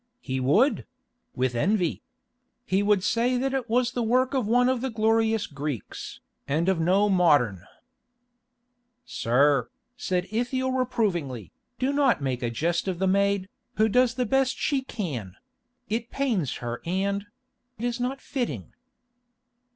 "He would—with envy. He would say that it was the work of one of the glorious Greeks, and of no modern." "Sir," said Ithiel reprovingly, "do not make a jest of the maid, who does the best she can; it pains her and—is not fitting."